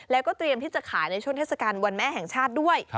แล้วก็เตรียมที่จะขายในช่วงเทศกาลวันแม่แห่งชาติด้วย